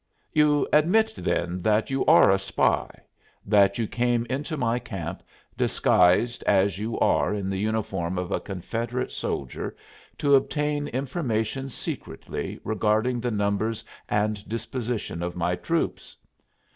"You admit, then, that you are a spy that you came into my camp, disguised as you are in the uniform of a Confederate soldier, to obtain information secretly regarding the numbers and disposition of my troops."